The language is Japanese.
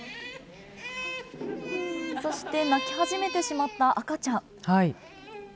そして泣き始めてしまった赤ちゃん。